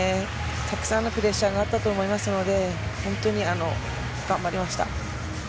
たくさんのプレッシャーがあったと思いますので、本当に頑張りました。